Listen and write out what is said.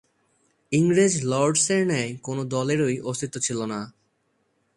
ইংরেজ লর্ডসের ন্যায় কোন দলেরই অস্তিত্ব ছিল না।